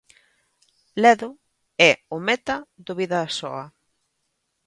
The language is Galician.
Ledo é o meta do Bidasoa.